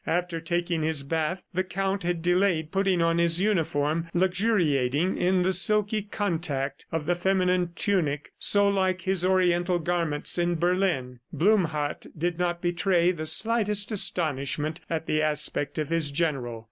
After taking his bath, the Count had delayed putting on his uniform, luxuriating in the silky contact of the feminine tunic so like his Oriental garments in Berlin. Blumhardt did not betray the slightest astonishment at the aspect of his general.